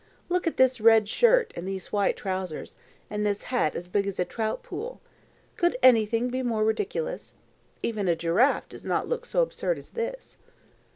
Look at this red shirt and these white trousers, and this hat as big as a trout pool! Could anything be more ridiculous? Even a giraffe does not look so absurd as this."